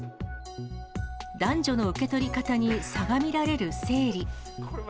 男女の受け取り方に差が見られる生理。